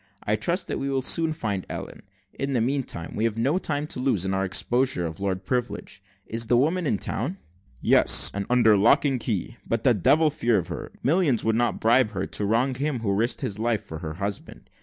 I trust we shall soon find Ellen: in the meanwhile, we have no time to lose, in our exposure of Lord Privilege. Is the woman in town?" "Yes, and under lock and key; but the devil a fear of her. Millions would not bribe her to wrong him who risked his life for her husband.